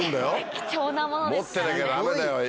貴重なものですからね。